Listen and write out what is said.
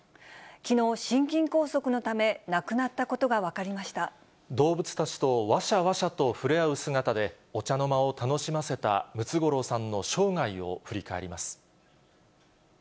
きのう、心筋梗塞のため亡くなっ動物たちとわしゃわしゃと触れ合う姿で、お茶の間を楽しませたムツゴロウさんの生涯を振り返ります。